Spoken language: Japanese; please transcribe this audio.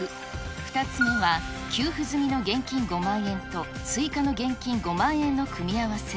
２つ目は、給付済みの現金５万円と追加の現金５万円の組み合わせ。